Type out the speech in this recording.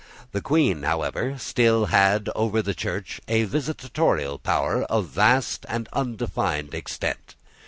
The Queen, however, still had over the Church a visitatorial power of vast and undefined extent.